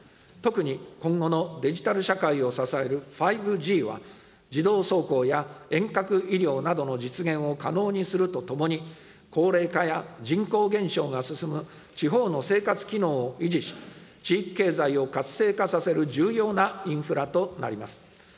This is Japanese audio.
特に、今後のデジタル社会を支える５Ｇは、自動走行や遠隔医療などの実現を可能にするとともに、高齢化や人口減少が進む地方の生活機能を維持し、地域経済を活性化させる重要なインフラとなります。